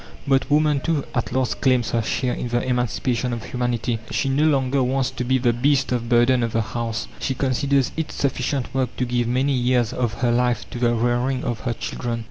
But woman, too, at last claims her share in the emancipation of humanity. She no longer wants to be the beast of burden of the house. She considers it sufficient work to give many years of her life to the rearing of her children.